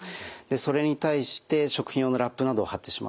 それに対して食品用のラップなどを貼ってしまうとですね